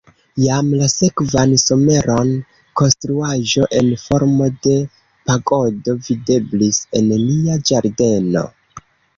Jam la sekvan someron konstruaĵo en formo de pagodo videblis en nia ĝardeno.